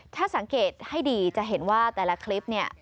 ถ้าสังเกตให้ดีจะเห็นว่าแต่ละคลิปเนี่ย